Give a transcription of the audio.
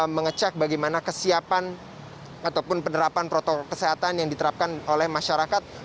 mengecek bagaimana kesiapan ataupun penerapan protokol kesehatan yang diterapkan oleh masyarakat